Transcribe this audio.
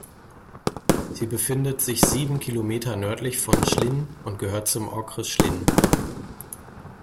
Sie befindet sich sieben Kilometer nördlich von Zlín und gehört zum Okres Zlín.